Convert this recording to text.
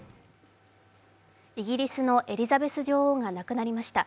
イギリスのエリザベス女王が亡くなりました。